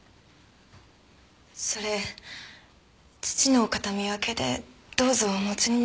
それ父の形見分けでどうぞお持ちになってください。